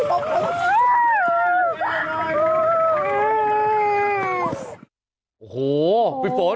โอ้โหพี่ฝน